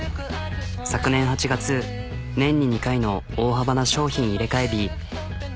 昨年８月年に２回の大幅な商品入れ替え日。